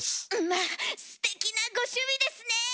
まあステキなご趣味ですねえ！